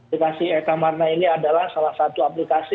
aplikasi eta marna ini adalah salah satu aplikasi